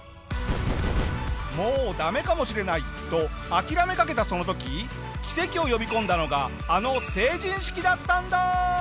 もうダメかもしれないと諦めかけたその時奇跡を呼び込んだのがあの成人式だったんだ！